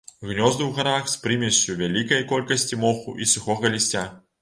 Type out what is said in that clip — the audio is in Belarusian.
Гнёзды ў гарах з прымессю вялікай колькасці моху і сухога лісця.